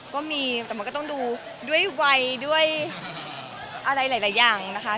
ก็มีแต่มันก็ต้องดูด้วยวัยด้วยอะไรหลายอย่างนะคะ